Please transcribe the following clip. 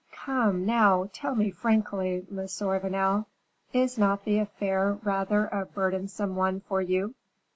"Come, now, tell me frankly, Monsieur Vanel, is not the affair rather a burdensome one for you?"